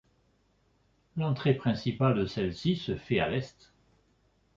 L'entrée principale de celui-ci se fait à l'est.